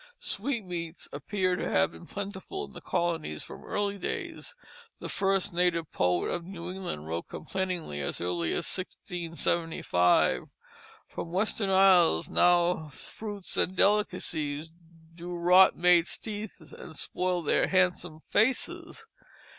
Sweetmeats appear to have been plentiful in the colonies from early days. The first native poet of New England wrote complainingly as early as 1675 that "From western isles now fruits and delicacies Do rot maids' teeth and spoil their handsome faces."